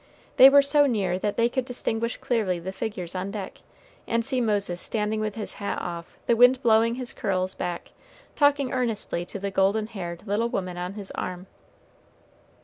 They were so near that they could distinguish clearly the figures on deck, and see Moses standing with his hat off, the wind blowing his curls back, talking earnestly to the golden haired little woman on his arm.